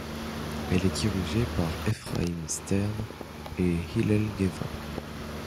Elle est dirigée par Ephraim Stern et Hillel Geva.